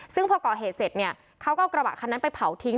ซึ่งพอก่อเหตุเสร็จเนี่ยเขาก็เอากระบะคันนั้นไปเผาทิ้ง